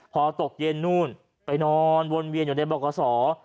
พอตกเย็นนู่นไปนอนวนเวียนอยู่ในบกษอ